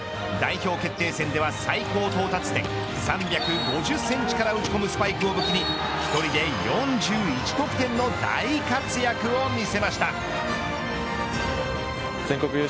代表決定戦では最高到達点３５０センチから打ち込むスパイクを武器に１人で４１得点の大活躍を見せました。